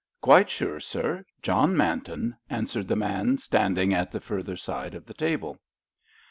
"Quite sure, sir—John Manton," answered the man standing at the further side of the table.